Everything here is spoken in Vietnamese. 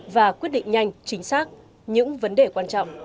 và quyết định nhanh chính xác những vấn đề quan trọng